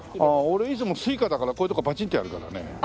俺いつもＳｕｉｃａだからこういうとこバチンってやるからね。